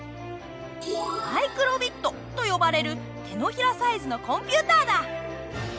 マイクロビットと呼ばれる手のひらサイズのコンピューターだ。